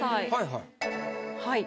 はいはい。